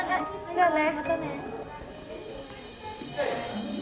じゃあね。